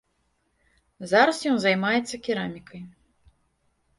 Зараз ён займаецца керамікай.